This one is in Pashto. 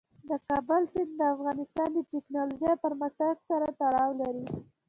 د کابل سیند د افغانستان د تکنالوژۍ پرمختګ سره تړاو لري.